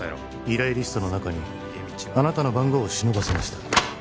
依頼リストの中にあなたの番号を忍ばせました